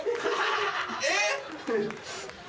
えっ！？